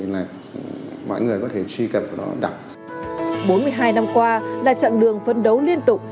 bốn mươi hai năm qua là trận đường phân đấu liên tục